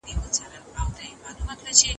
مستطيل دوې اوږدې غاړي لري.